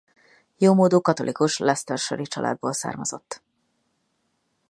Jómódú katolikus Leicestershire-i családból származott.